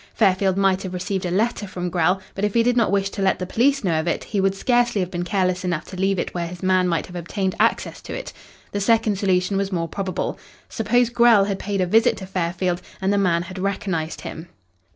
Fairfield might have received a letter from Grell, but if he did not wish to let the police know of it, he would scarcely have been careless enough to leave it where his man might have obtained access to it. The second solution was more probable. Suppose Grell had paid a visit to Fairfield and the man had recognised him?